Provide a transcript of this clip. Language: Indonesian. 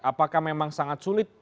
apakah memang sangat sulit